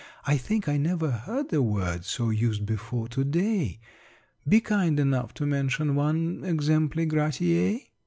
I think I never heard the word So used before to day: Be kind enough to mention one 'Exempli gratiâ.'"